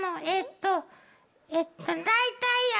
えっとだいたい。